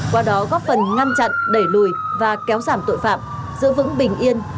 qua đó góp phần ngăn chặn đẩy lùi và kéo giảm tội phạm giữ vững bình yên cho nhân dân